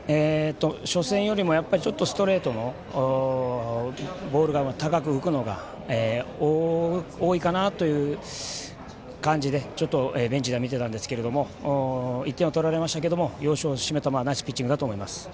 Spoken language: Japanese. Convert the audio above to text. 初戦よりも、ちょっとストレートのボールが高く浮くのが多いかなという感じでちょっとベンチでは見てたんですけど１点を取られましたけれども要所を締めたナイスピッチングだと思います。